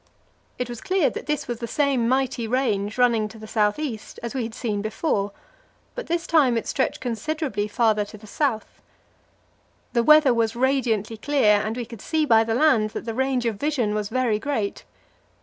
It was clear that this was the same mighty range running to the south east as we had seen before, but this time it stretched considerably farther to the south. The weather was radiantly clear, and we could see by the land that the range of vision was very great.